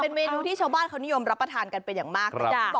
เป็นเมนูที่ชาวบ้านเขานิยมรับประทานกันเป็นอย่างมากเลย